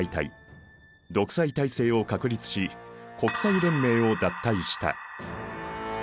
独裁体制を確立し国際連盟を脱退した。